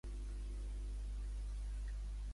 Quan va tenir lloc la I Festa de la Primavera?